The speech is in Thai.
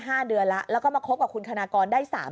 ตอนต่อไป